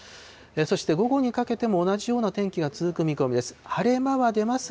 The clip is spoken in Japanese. そして午後にかけても同じような天気が続く見込みです。